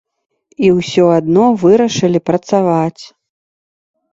І ўсё адно вырашылі працаваць.